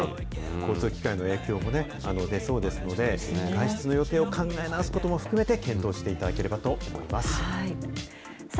交通機関への影響もね、出そうですので、外出の予定を考え直すことも含めて、検討していたださあ